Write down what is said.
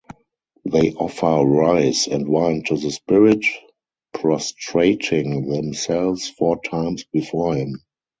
They offer rice and wine to the spirit, prostrating themselves four times before him.